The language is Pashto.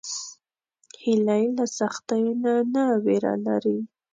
هیلۍ له سختیو نه نه ویره لري